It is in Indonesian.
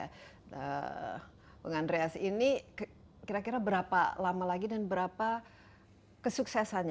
bang andreas ini kira kira berapa lama lagi dan berapa kesuksesannya